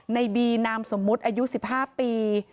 ในบีนามสมมุติอายุ๑๕ปี